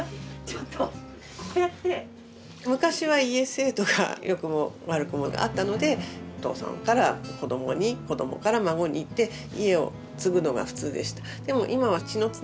昔は家制度が良くも悪くもあったのでお父さんから子どもに子どもから孫にって家を継ぐのが普通でした。